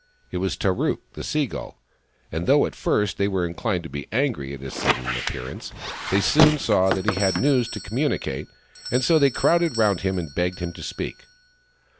It was Tarook, the Sea Gull, and though at first they were inchned to be angry at his sudden appearance, they soon saw that he had news to communicate, and so they crowded round him and begged him to speak.